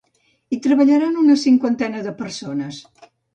Hi treballaran una cinquantena de persones.